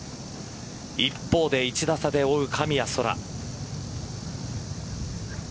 一方、１打差で追う神谷そら。